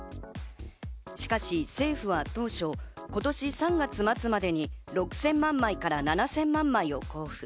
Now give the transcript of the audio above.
しかし政府は当初、今年３月末までに６０００万枚から７０００万枚を交付。